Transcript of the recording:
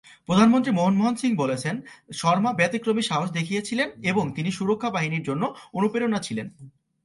প্রধানমন্ত্রী মনমোহন সিং বলেছেন, "শর্মা ব্যতিক্রমী সাহস দেখিয়েছিলেন এবং তিনি সুরক্ষা বাহিনীর জন্য অনুপ্রেরণা ছিলেন।"